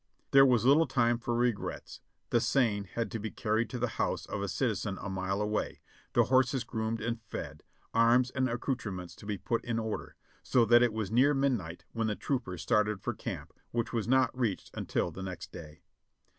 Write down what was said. There was little time for regrets ; the seine had to be carried to the house of a citizen a mile away, the horses groomed and fed, arms and accoutrements to be put in order, so that it was near midnight when the troopers started for camp, which was not reached until the next day.